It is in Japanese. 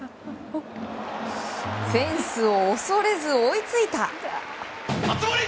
フェンスを恐れず、追いついた！